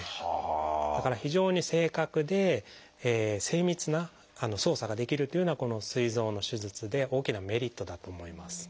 だから非常に正確で精密な操作ができるというのはこのすい臓の手術で大きなメリットだと思います。